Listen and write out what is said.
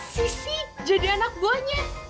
sisi jadi anak buahnya